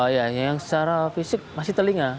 yang secara fisik masih telinga